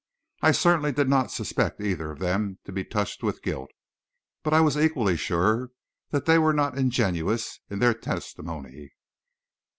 I certainly did not suspect either of them to be touched with guilt, but I was equally sure that they were not ingenuous in their testimony.